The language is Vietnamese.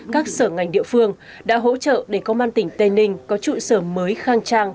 các sở ngành địa phương đã hỗ trợ để công an tỉnh tây ninh có trụ sở mới khang trang